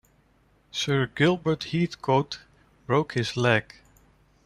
Sir Gilbert Heathcote broke his leg.